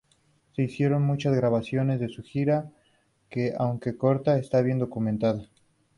Se hicieron muchas grabaciones de su gira, que, aunque corta, está bien documentada.